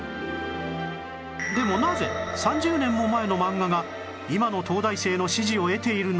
でもなぜ３０年も前の漫画が今の東大生の支持を得ているのか？